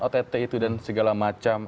ott itu dan segala macam